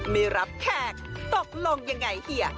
ไม่รับแขกตกลงยังไงเฮีย